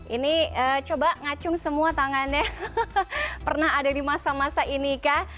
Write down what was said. ini coba ngacung semua tangannya pernah ada di masa masa ini kah